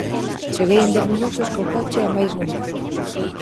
Cheguei en dez minutos co coche a máis non dar